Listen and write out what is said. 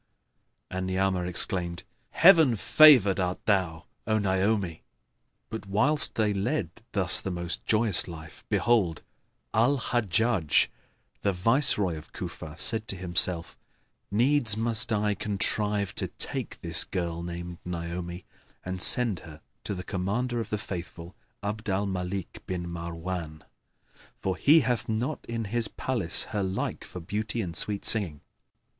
And Ni'amah exclaimed, "Heaven favoured art thou, O Naomi!" But whilst they led thus the most joyous life, behold! Al Hajjбj,[FN#6] the Viceroy of Cufa said to himself, "Needs must I contrive to take this girl named Naomi and send her to the Commander of the Faithful, Abd al Malik bin Marwбn, for he hath not in his palace her like for beauty and sweet singing."